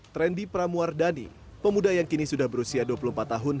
trendy pramuardhani pemuda yang kini sudah berusia dua puluh empat tahun